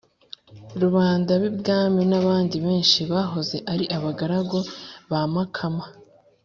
rubanda b’ibwami n’abandi benshi bahoze ari abagaragu ba makama